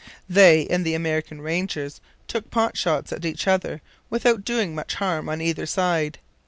They and the American rangers took pot shots at each other without doing much harm on either side.